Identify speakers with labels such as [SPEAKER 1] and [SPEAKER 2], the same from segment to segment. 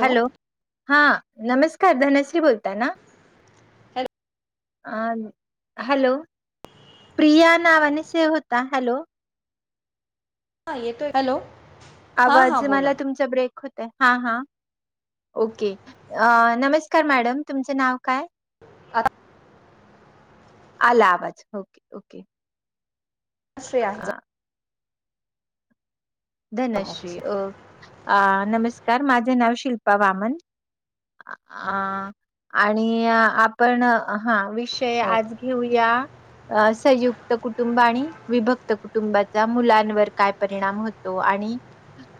[SPEAKER 1] Hello हा नमस्कार धनश्री बोलता ना
[SPEAKER 2] हॅलो
[SPEAKER 1] अ हॅलो प्रिया नावाने सेव होता हॅलो
[SPEAKER 2] हा येतोय हॅलो हां
[SPEAKER 1] आवाज
[SPEAKER 2] हां बोला
[SPEAKER 1] मला तुमचा ब्रेक होतय हा हां ओके नमस्कार मॅडम तुमचं नाव काय
[SPEAKER 2] ह [unintelligible]
[SPEAKER 1] आला आवाज ओके ओके
[SPEAKER 2] असे आहे
[SPEAKER 1] अं,
[SPEAKER 2] ऑफिस
[SPEAKER 1] धनश्री ओ आ नमस्कार माझं नाव शिल्पा वामन अ आणि आपण हा विषय
[SPEAKER 2] हो
[SPEAKER 1] आज ठिऊया अ संयुक्त कुटुंब आणि विभक्त कुटुंबाचा मुलांवर काय परिणाम होत तो आणि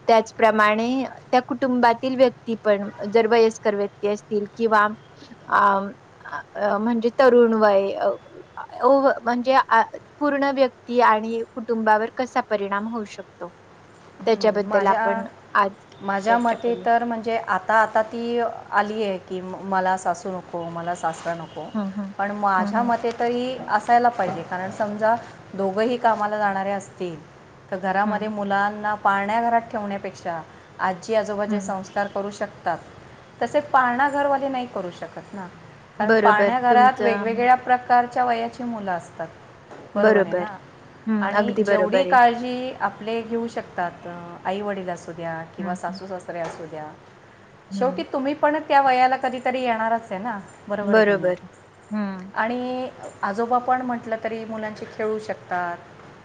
[SPEAKER 1] त्याचप्रमाणे त्या कुटुंबातील व्यक्ती पण जर वयस कर व्यक्ती असतील किंवा आम अ... म्हणजे तरुण वय ओ म्हणजे पूर्ण व्यक्ती आणि कुटुंबावर कसा परिणाम होऊ शकतो तो
[SPEAKER 2] माझ्या माझ्या
[SPEAKER 1] चर्चा
[SPEAKER 2] मते
[SPEAKER 1] करूया
[SPEAKER 2] तर म्हणजे आत आता आता ती आली आहे की म मला सासू नको मला सासरा नको
[SPEAKER 1] हा हा
[SPEAKER 2] पण माझ्या मते तरी असायला पाहिजे कारण समजा दोघंही कामाला जाणारे असतील तर
[SPEAKER 1] हम्म
[SPEAKER 2] घरामध्ये मुलांना पाण्याघरात ठेवण्यापेक्षा आजी आजोबाजे
[SPEAKER 1] हं
[SPEAKER 2] संस्कार करू शक तात तसे पाारणा घरवाले नाही करू शकत ना कारण
[SPEAKER 1] बरोबर
[SPEAKER 2] पाळन्या घरात
[SPEAKER 1] तुमचं
[SPEAKER 2] वेगवेगळ्या प्रकारच्या वयाची मुलं असतात बरोबर आहे ना
[SPEAKER 1] हं
[SPEAKER 2] आणि
[SPEAKER 1] अगदी
[SPEAKER 2] जेवढी
[SPEAKER 1] बरोबर आहे.
[SPEAKER 2] काळजी आपले घेऊ शकतात आईवडील असू द्या किंवा
[SPEAKER 1] हं, हं,
[SPEAKER 2] सासू सासऱ्या असू द्या शेवटी
[SPEAKER 1] हं
[SPEAKER 2] तुम्ही पण त्या वयाला कधीतरी येणारच आहे ना बरोबर आहे की नाही
[SPEAKER 1] हं,
[SPEAKER 2] आणि आजोबा पण म्हटलं तरी मुलांचे खेळू शकतात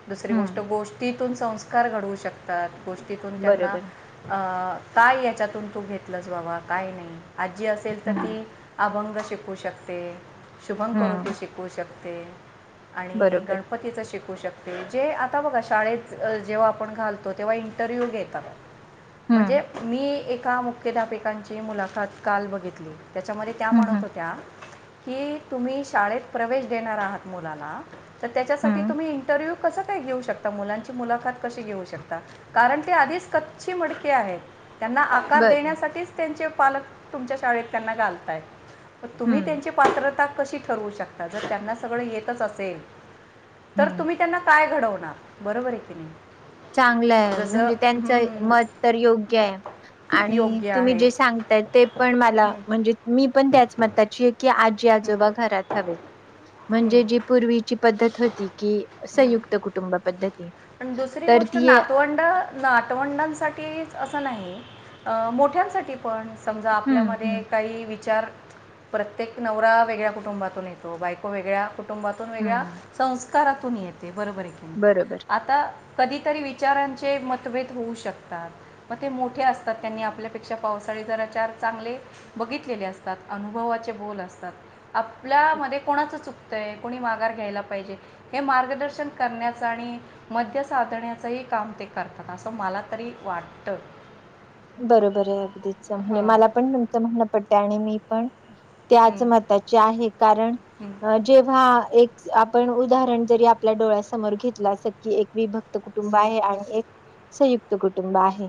[SPEAKER 2] दुसरी गोष्ट
[SPEAKER 1] हं
[SPEAKER 2] गोष्ट गोष्टीतून संस्कार घडवू शकतात गोष्टीतून त्यांना
[SPEAKER 1] बरोबर.
[SPEAKER 2] अ काय याच्यातून तू घेतलंस बाबा काय नाही आजी असेल तर
[SPEAKER 1] हं,
[SPEAKER 2] ती अभंग शिकू शकते शुभम करोती
[SPEAKER 1] हं
[SPEAKER 2] शिकू शकते आणि
[SPEAKER 1] बरोबर.
[SPEAKER 2] गणपतीचं शिकू शकते जे आता बघा शाळेत जेव्हा आपण घालतो तेव्हा इंटरव्यू घेतात
[SPEAKER 1] हं,
[SPEAKER 2] म्हणजे मी एका मुख एकमेकांचे मुलाखत काल बघितली त्याच्यामध्ये त्या
[SPEAKER 1] हं,
[SPEAKER 2] म्हणत
[SPEAKER 1] हं,
[SPEAKER 2] होत्या की तुम्ही शाळेत प्रवेश देणार आहात मुलाला तर त्याच्यासाठी
[SPEAKER 1] हं
[SPEAKER 2] तुम्ही इंटरव्यू कसं काय घेऊ शकता मुलांची मुलाखत कशी घेऊ शकता कारण ते आधीच कच्ची मडके आहेत त्यांना आकार
[SPEAKER 1] बरं.
[SPEAKER 2] देण्यासाठी त्यांचे पालक तुमच्या शाळेत त्यांना घालताय तुम्ही
[SPEAKER 1] हं,
[SPEAKER 2] त्यांची पात्रता तशी ठरू शकता जर त्यांना सगळे येतच असेल तर
[SPEAKER 1] हं
[SPEAKER 2] तुम्ही त्यांना काय घडवणार बरोबर आहे की नाही
[SPEAKER 1] चांगलंय
[SPEAKER 2] जसं
[SPEAKER 1] म्हणजे त्यांचं
[SPEAKER 2] हं,
[SPEAKER 1] मत तर योग्य आहे आणि
[SPEAKER 2] योग्य
[SPEAKER 1] तुम्ही
[SPEAKER 2] आहे
[SPEAKER 1] जे सांगताय ते पण मला
[SPEAKER 2] हं,
[SPEAKER 1] म्हणजे मी पण त्याच मताची आहे की आजी
[SPEAKER 2] हम्म,
[SPEAKER 1] आजोबा घरात हवे
[SPEAKER 2] हम्म,
[SPEAKER 1] म्हणजे जी पूर्वीची पद्धत होती की संयुक्त कुटुंब पद्धती
[SPEAKER 2] आणि दुसरी
[SPEAKER 1] तर
[SPEAKER 2] गोष्ट
[SPEAKER 1] ती
[SPEAKER 2] नातवंड नातवंडांसाठी अस नाही मोठ्यांसाठी पण समजा
[SPEAKER 1] हं, हं.
[SPEAKER 2] आपल्यामध्ये काही विचार प्रत्येक नवरा वेगळ्या कुटुंबातून येतो बायको वेगळ्या कुटुंबातून वेगळ्या
[SPEAKER 1] हं,
[SPEAKER 2] संस्कारातून येते बरोबर नाही
[SPEAKER 1] बरोबर
[SPEAKER 2] आता कधीतरी विचारांचे मतभेद होऊ शकतात मग ते मोठे असतात त्यांनी आपल्यापेक्षा पावसाळी जरा चार चांगले बघितलेले असतात अनुभवाचे बोल असतात आपल्यामध्ये कोणाचं चुकतंय कोणी माघार घ्यायला पाहिजे हे मार्गदर्शन करण्याच आणि मद्य साधण्याचंही काम ही ते करतात असं मला तरी वाटतं
[SPEAKER 1] बरोबर आहे अगदीच म्हणजे
[SPEAKER 2] हां
[SPEAKER 1] मला पण त्यांचं म्हणणं पडत आणि मी पण त्याच
[SPEAKER 2] हं,
[SPEAKER 1] मताचे आहे कारण
[SPEAKER 2] हं.
[SPEAKER 1] जेव्हा एक आपण उदाहरण जरी आपल्या डोळ्यासमोर घेतलं अस की एक विभक्त कुटुंब आहे आणि एक संयुक्त कुटुंब आहे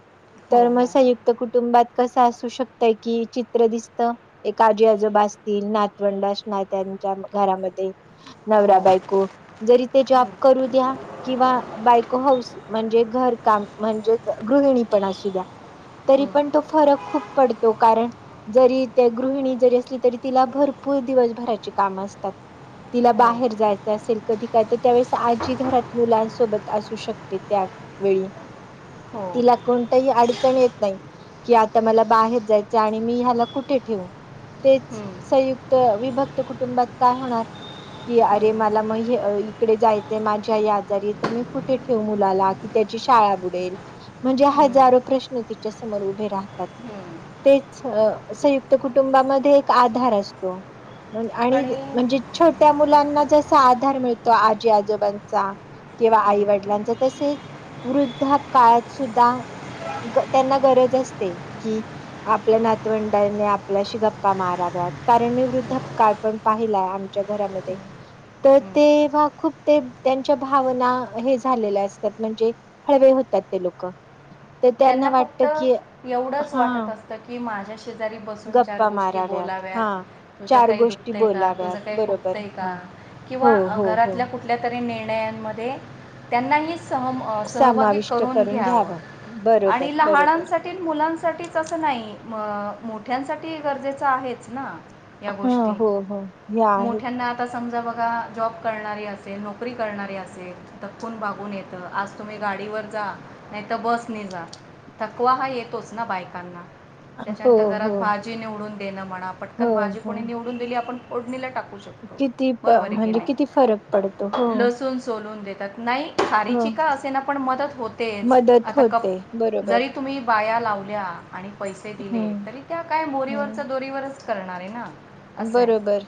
[SPEAKER 2] हो
[SPEAKER 1] तर मग
[SPEAKER 2] हो
[SPEAKER 1] कुटुंबात कसं असू शकत कि चित्र दिसत एक आजी आजोब असतील नातवंडास नात्यांच्या घरामध्ये
[SPEAKER 2] हो
[SPEAKER 1] नवरा बायको जरी ते जॉब
[SPEAKER 2] हं,
[SPEAKER 1] करू द्या किंवा बायको हऊस म्हणजे घरकाम म्हणजे गृहिणी पण असू द्या तरी
[SPEAKER 2] हं,
[SPEAKER 1] पण तो फरक खूप पडतो कारण जरी त्या गृहिणी जरी असली तरी तिला भरपूर दिवसभराची कामं असतात तिला
[SPEAKER 2] हो
[SPEAKER 1] बाहेर जायचं असेल कधी काय तर त्यावेळेस आजी घरात मुलांसोबत असू शकते त्यावेेळी
[SPEAKER 2] हो
[SPEAKER 1] तिला कोणतही अडचण येत नाही की आता मला बाहेर जायच आणि मी ह्याला कुठे ठेवू तेच
[SPEAKER 2] हं,
[SPEAKER 1] संयुक्त विभक्त कुटुंबात काय होणार की अरे
[SPEAKER 2] हं,
[SPEAKER 1] मला मग इकडे जायचं माझ्या आई आजारी तर मी कुठे ठेव मुलाला कि त्याची शाळा बुडेल म्हणजे
[SPEAKER 2] हं,
[SPEAKER 1] हजारो प्रश् तिच्या समोर उभे राहतात
[SPEAKER 2] हं.
[SPEAKER 1] तेच संयुक्त कुटुंबामध्ये एक आधार असतो आणि म्हणजे छोट्या मुलांना जसा आधार मिळतो आजी आजोबांचा किंवा आई
[SPEAKER 2] हं,
[SPEAKER 1] वडिलांचा तसेच वृद्धा काळात सुद्धा त्यांना गरज असते कि आपल्या नातवंडाने आपल्याशी गप्पा माराव्यात कारण मी वृद्धकाळ पण पाहिलाय आमच्या घरामध्ये तर
[SPEAKER 2] हं.
[SPEAKER 1] तेव्हा खूप ते त्यांच्या भावना हे झालेल्या असतात म्हणजे हळवे होतात ते लोक तर
[SPEAKER 2] त्यांना
[SPEAKER 1] वाटत
[SPEAKER 2] फक्त
[SPEAKER 1] की
[SPEAKER 2] एवढंच
[SPEAKER 1] हा
[SPEAKER 2] वाटत असतं की माझ्या शेजारी बसून चार
[SPEAKER 1] गप्पा
[SPEAKER 2] गोष्टी
[SPEAKER 1] माराव्यात
[SPEAKER 2] बोलाव्यात
[SPEAKER 1] हा
[SPEAKER 2] तुझं
[SPEAKER 1] चार
[SPEAKER 2] काही
[SPEAKER 1] गोष्टी
[SPEAKER 2] दुखतंय का
[SPEAKER 1] बोलाव्यात
[SPEAKER 2] तुझं काही
[SPEAKER 1] बरोबर
[SPEAKER 2] खुपतंय का
[SPEAKER 1] हा हो
[SPEAKER 2] किंवा
[SPEAKER 1] हो हो
[SPEAKER 2] घरातल्या कु कुठल्या तरी निर्णयांमध्ये त्यांनाही सहम सहभागी
[SPEAKER 1] समाविष्ट
[SPEAKER 2] करून घ्यावं
[SPEAKER 1] बरोबर
[SPEAKER 2] आणि
[SPEAKER 1] बरोबर
[SPEAKER 2] लहानांसाठी मुलांसाठीच असं नाही म मोठ्यांसाठी गरजेचं आहेच ना या
[SPEAKER 1] हा
[SPEAKER 2] गोष्टी
[SPEAKER 1] हो हो हे आहे
[SPEAKER 2] मोठ्याना आता समजा बघा जॉब करणारी असेल नोकरी करणारी असेल कून बाघून येत आज तुम्ही गाडीवर जा नाही तरर बस नि जा थकवा हा येतोच ना बायकांना
[SPEAKER 1] हो
[SPEAKER 2] त्याच्यानंतर घरात
[SPEAKER 1] हो
[SPEAKER 2] भाजी निवडून देणं म्हण
[SPEAKER 1] हो
[SPEAKER 2] पटकन भाजी
[SPEAKER 1] हो
[SPEAKER 2] कोणी निवडून दिली आपणोडणीला टाकू श
[SPEAKER 1] किती प
[SPEAKER 2] रोबर
[SPEAKER 1] म्हणजे किती फरक पडतो हो
[SPEAKER 2] नाही लसून सोलून देतात नाही खारी
[SPEAKER 1] हो
[SPEAKER 2] च का असे ना आपण मदत होतेच
[SPEAKER 1] मदत
[SPEAKER 2] आता कप
[SPEAKER 1] होते बरोबर
[SPEAKER 2] जरी तुम्ही बाया लावल्या आणि पैसे दिले
[SPEAKER 1] हम्म
[SPEAKER 2] तरी त्या काय
[SPEAKER 1] हम्म
[SPEAKER 2] मोरीवरच्या दोरीवरच
[SPEAKER 1] बरोबर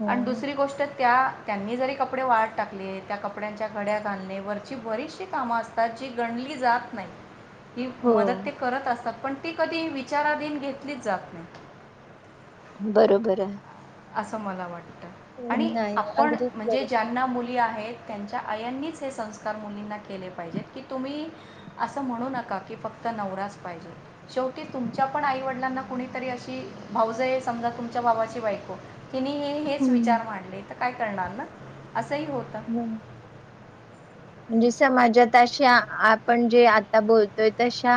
[SPEAKER 1] हम्म
[SPEAKER 2] दु गोष्ट त्या त्यांनी जरी कपडे वाट टाकले त्या कपड्यांच्या घड्या घालणे वरची बरीचशी कामं असतेात त्याची गणली जात नाही ही
[SPEAKER 1] हो
[SPEAKER 2] मदत ते करत असतात पण ती कधी विचाराधीन घेतलीच जात नाही
[SPEAKER 1] बरोबर आहे
[SPEAKER 2] असं मला वाटतं आणि
[SPEAKER 1] नाही
[SPEAKER 2] आपण
[SPEAKER 1] अगदीच
[SPEAKER 2] म्हणजे
[SPEAKER 1] बरोबर.
[SPEAKER 2] ज त्यांना मुली आहेत त्यांच्या आयांनीच हे संस्कार मुलींना केले पाहिजेत की तुम्ही असं म्हणू नका की फक्त नवराच पाहिजे शेवटी तुमच्या पण आईवडिलांना कुणीतरी अशी भाऊजय समजा तुमच्या बाबाची बायको कि हे हेच
[SPEAKER 1] हम्म.
[SPEAKER 2] विचार मांडले तर काय करणार ना असंही होत
[SPEAKER 1] हम् म्हणजे समाजात अशा आपण जे आता बोलतोय तशा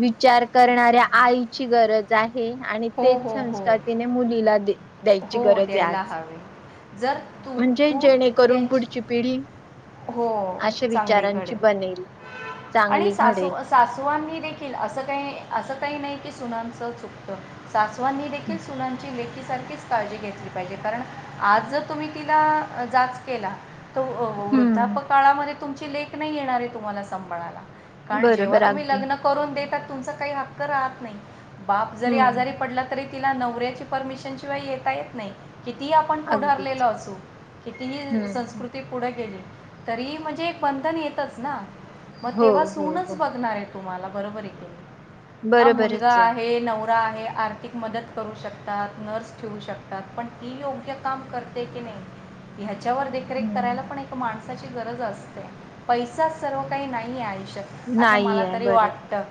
[SPEAKER 1] विचार करणाऱ्या आईची गरज आहे आणि
[SPEAKER 2] हो
[SPEAKER 1] तेच
[SPEAKER 2] हो हो
[SPEAKER 1] संस्कतीने मुलीला दे द्यायची
[SPEAKER 2] हो
[SPEAKER 1] गरज आहे
[SPEAKER 2] द्यायला
[SPEAKER 1] आज
[SPEAKER 2] हवे जर तू
[SPEAKER 1] म्हणजे
[SPEAKER 2] तू
[SPEAKER 1] जेणेकरून
[SPEAKER 2] त्यांची
[SPEAKER 1] पुढची पिढी
[SPEAKER 2] हो
[SPEAKER 1] अशा
[SPEAKER 2] चांगलीकडे
[SPEAKER 1] विचारांची बनेल.
[SPEAKER 2] आणि
[SPEAKER 1] चांगली
[SPEAKER 2] सासू
[SPEAKER 1] घडेल.
[SPEAKER 2] अस सासवांनी देखील असं काही असं काही नाही की सुनांचं चुकतं सासवांनी देखील सुलांची लेख सारखीच काळजी घेतली पाहिजे कारण आज जर तुम्ही तिला जाच केला त
[SPEAKER 1] हम्म
[SPEAKER 2] वृद्धापकाळामध्ये तुमची लेख नाही येणारे तुम्हाला संांभळायला कारण जेव्हा
[SPEAKER 1] बरोबर
[SPEAKER 2] तुम्ही
[SPEAKER 1] अगदी.
[SPEAKER 2] लग्न करून देतात तुमचा काही हक्क राहत नाही बाप जरी आजारी
[SPEAKER 1] हम्म
[SPEAKER 2] पडला तरी तिला नवऱ्याची परमिशन शिवाय येता येत नाही कितीही आपण पुढंारलेलो
[SPEAKER 1] अगदीच
[SPEAKER 2] असू
[SPEAKER 1] हम्म.
[SPEAKER 2] कितीही
[SPEAKER 1] हम्म.
[SPEAKER 2] संस्कृती पुढे गेले तरी म्हणजे एक बंधन येतंच ना मग
[SPEAKER 1] हो
[SPEAKER 2] तेव्हा
[SPEAKER 1] हो
[SPEAKER 2] सूनच
[SPEAKER 1] हो
[SPEAKER 2] बघणार आहेत तुम्हाला बरोबर मुलगा आहे नवरा आहे आर्तीिक मदत करू शकतात नर्स ठेवू शकतात पण ती योग्य काम करते की नाही ह्याच्यावर देखरेख
[SPEAKER 1] हम्म.
[SPEAKER 2] करायला पण एक माणू ची गरज असते पैसाच सर्व काही नाही आहे आयुष्यत असं
[SPEAKER 1] नाही
[SPEAKER 2] मला
[SPEAKER 1] आहे
[SPEAKER 2] तरी
[SPEAKER 1] बरोबर
[SPEAKER 2] वाटतं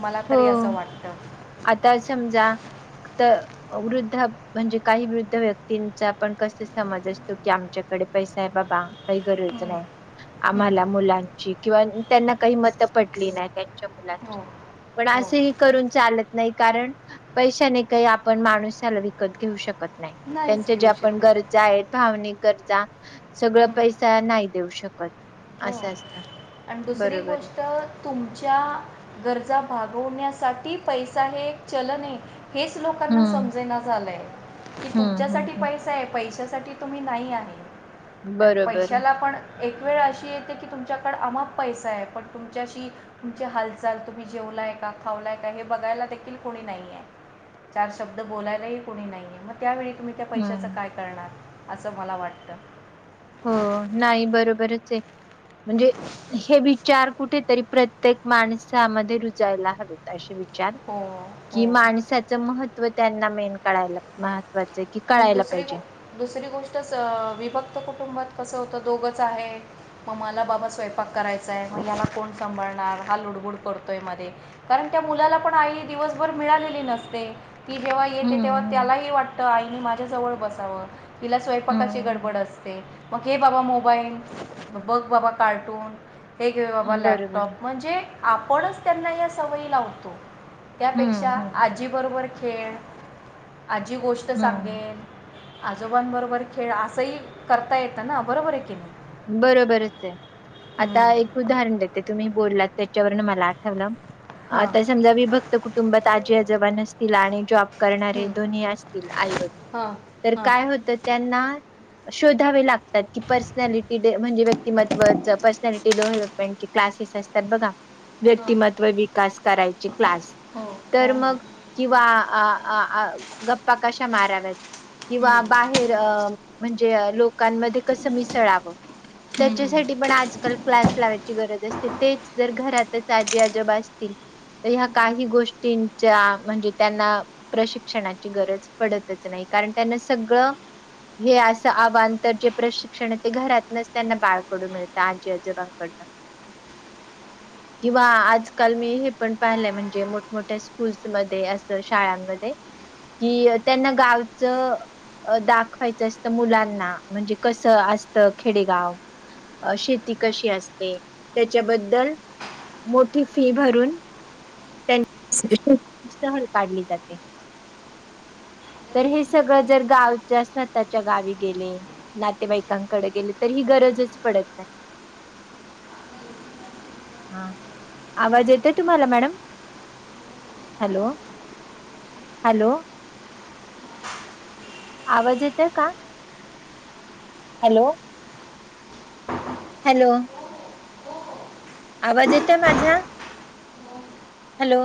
[SPEAKER 2] मला तरी
[SPEAKER 1] हो.
[SPEAKER 2] असं वाटतं
[SPEAKER 1] आता समजा तर वृद्ध म्हणजे काही वृद्ध व्यक्तींचा आपण कस समज असतो की आमच्याकडे पैसा आहे बाबा काही गरज
[SPEAKER 2] हम्म.
[SPEAKER 1] नाही
[SPEAKER 2] हं,
[SPEAKER 1] आम्हाला मुलांची किंवा त्यांना काही मतं पटली नाही. चगला.
[SPEAKER 2] हो
[SPEAKER 1] पण
[SPEAKER 2] हो
[SPEAKER 1] असेही करून चालत नाही कारण पैशाने काही आपण माणूसाला विकत घेऊ शकत. नाही
[SPEAKER 2] नाहीच
[SPEAKER 1] त्यांच्या
[SPEAKER 2] घेऊ
[SPEAKER 1] ज्या आपण
[SPEAKER 2] शकत
[SPEAKER 1] गरजा आहेत भावनिक गरजा सगळं
[SPEAKER 2] हं,
[SPEAKER 1] पैसा नाही देऊ शकत.
[SPEAKER 2] हो
[SPEAKER 1] असं असतं
[SPEAKER 2] आणि दुसरी
[SPEAKER 1] बरोबर आहे
[SPEAKER 2] गोष्ट. तुमच्या गरजा भागवण्यासाठी पैसा हे एक चलन आहे. हेच लोकांना
[SPEAKER 1] हम्म
[SPEAKER 2] समजना झालंय की
[SPEAKER 1] हम्म हम्म
[SPEAKER 2] तुमच्यासाठी
[SPEAKER 1] हम्म
[SPEAKER 2] पैसे. पैशासाठी तुम्ही नाही आहे आणि
[SPEAKER 1] बरोबर
[SPEAKER 2] पैशाला पण एक वेळ. शी येते की तुमच्याकड अमाप पैसा आहे पण तुमच्याशी. तुमची हालचाल तुम्ही जेवलाय का खावलाय का हे बघायला देखील कोणी नाहीे. चार शब्द बोलायलाही कोणी नाहीे मग त्यावेळी तुम्ही. त्या
[SPEAKER 1] हम्म
[SPEAKER 2] पैशाचं काय करणार असं मला वाटतं.
[SPEAKER 1] हो नाही बरोबरच आहे म्हणजे हे विचार कुठेतरी प्रत्येक माणसामध्ये रुजायला हवेत असे विचार
[SPEAKER 2] हो
[SPEAKER 1] कि
[SPEAKER 2] हो
[SPEAKER 1] माणसाचं महत्त्व त्यांना मेन कळायला म
[SPEAKER 2] दुसरी ग दुसरी गोष्टच विभक्त कुटुंबात कसं होतं दोघंच आहे. मग मला बाबा स्वयंपाक करायचाय म याला कोण सांभाळणार हा लुडबुड करतोय मध्ये. कारण त्या मुलाला पण आई दिवसभर मिळालेली नसते. ती जेव्हा येते
[SPEAKER 1] हम्म
[SPEAKER 2] तेव्हा
[SPEAKER 1] हम्म
[SPEAKER 2] त्यालाही वाटतं आईनी माझ्या जवळ बसावं. तिला स्वयंपाकाची गडबड
[SPEAKER 1] हम्म
[SPEAKER 2] असते मग. हे बाबा मोबाईल बघ बाबा कार्टून हे घे बाबा
[SPEAKER 1] हम्म. बरोबर
[SPEAKER 2] लॅपटॉप म्हणजे. आपणच त्यांना या सवयी लावतो त्यापेक्षा
[SPEAKER 1] हम्म हम्म
[SPEAKER 2] आजीबरोबर खेळ. आजी गोष्ट
[SPEAKER 1] हम्म
[SPEAKER 2] सांगेल. आजोबांबरोबर खेळ असंही करता येतं ना बरोबर आहे की नाही.
[SPEAKER 1] बरोबरच आहे आता एक. उदाहरण देते तुम्ही बोललात त्याच्यावरून मला आठवलं
[SPEAKER 2] हां
[SPEAKER 1] आता समजा मी बघ. कुटुंबात आजी अजबन असतील आणि जॉब करणारे
[SPEAKER 2] हां
[SPEAKER 1] दोन्ही असतील आईवडील तर
[SPEAKER 2] हां
[SPEAKER 1] काय होत. त्यांना शोधावे लागतात की पर्सनॅलिटी. म्हजे व्यक्तिमत् पर्सनॅलिटी डेव्हलपमेंट क्लासेस असतात बघा. व्यक्तिमत्व विकास करायचे क्लास
[SPEAKER 2] हो
[SPEAKER 1] तर
[SPEAKER 2] हो
[SPEAKER 1] मग. किंवा गप्पा कशा माराव्यात
[SPEAKER 2] हो हो
[SPEAKER 1] किंवा बाहेर अ. म्हणजे लोकांमध्ये कसं मिसळावं. त्याच्यासाठी पण आजकाल क्लास लावायची गरज असते तेच जर घरातच आजी आजब असतील. तर ह्या काही गोष्टींच्या म्हणजे त्यांना. प्रशिक्षणाची गरज पडतच नाही कारण त्यांना सगळं. हे असं आव्हान तरर जे प्रशिक्षण आहे ते घरात. त्यांना बाळकडून मिळतं आजी आजोबांकडनं. किंवा आजकाल मी हे पण पाहिलंय म्हणजे मोठमोठ्या स्कूल्समध्येध्ये असं शाळांमध्ये कि त्यांना गावच. अ दाखवायचं असतं मुलांना म्हणजे कसं असतं. खेडेगाव शेती कशी असते त्याच्याबद्दल. मोठी फी भरून. त्यां सहल काढली जाते तर हे सगळं जर गावच्या स्वतःच्या गावी गेले. नातेवाईकांकडे गेले तर ही गरजच पडत नाही. हा आवाज येतोय तुम्हाला मॅडम. Hello hello! आवाज येतेय का. हॅलो! हॅलो! आवाज येतेय माझ्या? हॅलो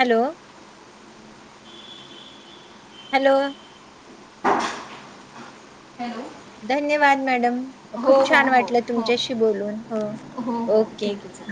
[SPEAKER 1] हॅलो हॅलो
[SPEAKER 2] हॅलो
[SPEAKER 1] धन्यवाद मॅडम खूप छान
[SPEAKER 2] हो
[SPEAKER 1] वाटलं
[SPEAKER 2] हो
[SPEAKER 1] तुमच्याशी बोलून हो
[SPEAKER 2] हो
[SPEAKER 1] ओके
[SPEAKER 2] ठीक आहे चालेल